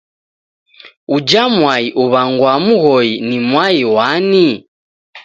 Uja mwai uw'angwaa Mghoi ni mwai wani?